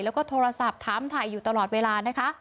แล้วก็โทรศัพท์ถามถ่ายอยู่ตลอดเวลานะคะ